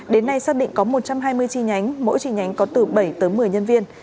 đến nay xác định có một trăm hai mươi chi nhánh mỗi chi nhánh có từ bảy tới một mươi nhân viên